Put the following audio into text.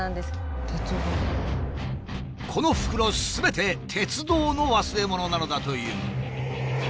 この袋すべて鉄道の忘れ物なのだという。